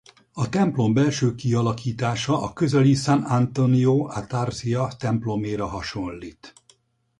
A templom belső kialakítása a közeli Sant’Antonio a Tarsia temploméra hasonlít.